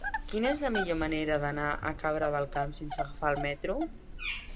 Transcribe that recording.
Quina és la millor manera d'anar a Cabra del Camp sense agafar el metro?